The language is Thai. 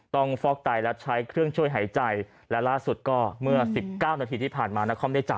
ต้องฟอกไตม์แล้วใช้เครื่องช่วยหายใจและล่าสุดก็เมื่อ๑๙นาทีที่ผ่านมา